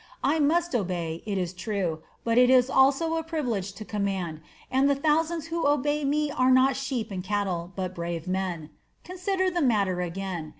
I must obey, it is true, but it is also my privilege to command, and the thousands who obey me are not sheep and cattle, but brave men. Consider the matter again.